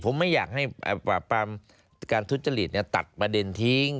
ผมไม่อยากให้การทุจริตเนี่ยตัดประเด็นทิ้ง